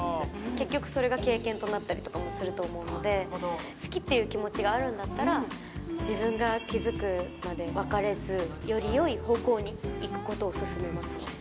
結局、それが経験となったりとかもすると思うので、好きっていう気持ちがあるんだったら、自分が気付くまで別れず、よりよい方向に行くことを勧めますね。